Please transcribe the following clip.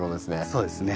そうですね。